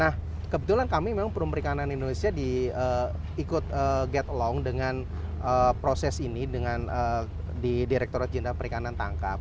nah kebetulan kami memang perum perikanan indonesia ikut get along dengan proses ini dengan di direkturat jenderal perikanan tangkap